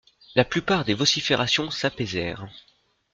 La plupart des vociférations s'apaisèrent.